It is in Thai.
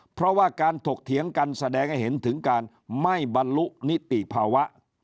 เพราะว่าการถกเถียงกันแสดงให้เห็นถึงการไม่บรรลุนิติภาวะ